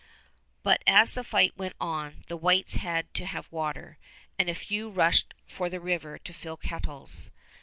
But as the fight went on, the whites had to have water, and a few rushed for the river to fill kettles.